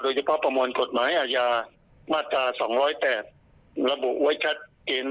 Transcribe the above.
ประมวลกฎหมายอาญามาตรา๒๐๘ระบุไว้ชัดเจน